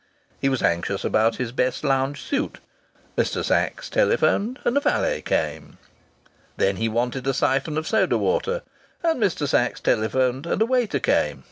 He was anxious about his best lounge suit. Mr. Sachs telephoned, and a valet came. Then he wanted a siphon of soda water, and Mr. Sachs telephoned, and a waiter came.